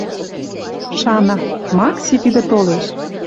Шана: «Макси тидӹ толеш!..»